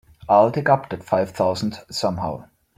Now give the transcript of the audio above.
I'll dig up that five thousand somehow.